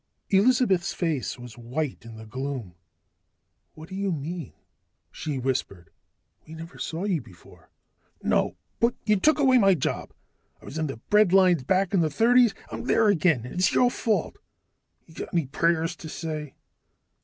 Elizabeth's face was white in the gloom. "What do you mean?" she whispered. "We never saw you before." "No. But you took away my job. I was in the breadlines back in the thirties. I'm there again, and it's your fault, you Got any prayers to say?"